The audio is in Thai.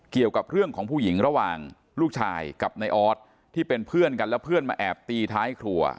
เกี่ยวกับเรื่องของผู้หญิงระหว่างลูกชายกับนายออสที่เป็นเพื่อนกันแล้วเพื่อนมาแอบตีท้ายครัว